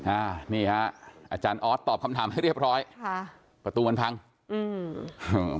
อ่านี่ฮะอาจารย์ออสตอบคำถามให้เรียบร้อยค่ะประตูมันพังอืม